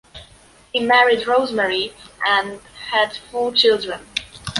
He married Rosemary and had four children.